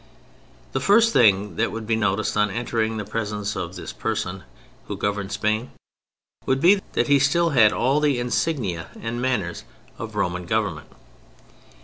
The first thing that would be noticed on entering the presence of this person who governed Spain, would be that he still had all the insignia and manner of Roman Government.